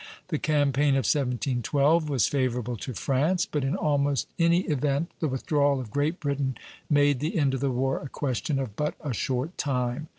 The campaign of 1712 was favorable to France; but in almost any event the withdrawal of Great Britain made the end of the war a question of but a short time.